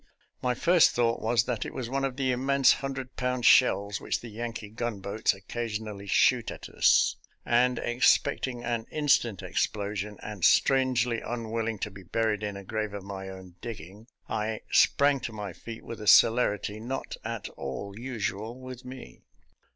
My first thought was that it was one of the immense hundred pound shells which the Yankee gun boats occasionally shoot at us, and, expecting an instant explosion, and strangely unwilling to be buried in a grave of my own digging, I sprang to my feet with a celerity not at all usual with me.